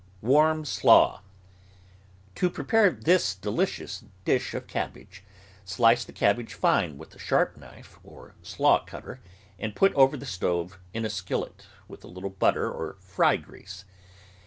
WARM SLAW To prepare this delicious dish of cabbage, slice the cabbage fine with a sharp knife or slaw cutter and put over the stove in a skillet, with a little butter or fry grease.